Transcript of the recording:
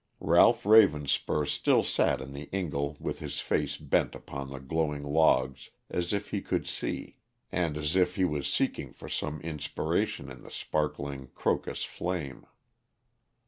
Ralph Ravenspur still sat in the ingle with his face bent upon the glowing logs as if he could see, and as if he was seeking for some inspiration in the sparkling crocus flame.